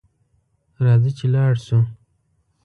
راځه چې لاړشوو